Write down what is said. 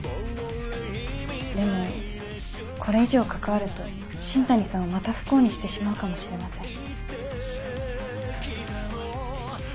でもこれ以上関わると新谷さんをまた不幸にしてしまうかもしれません。